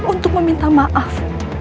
untuk meminta maaf